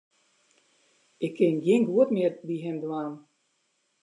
Ik kin gjin goed mear by him dwaan.